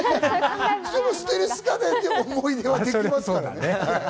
ステルス家電でも思い出はできますからね。